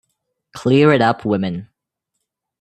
Clear it up, woman!